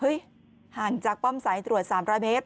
เฮ้ยห่างจากป้อมสายตรวจสามราเมตร